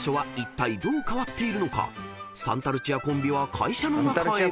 ［サンタルチアコンビは会社の中へ］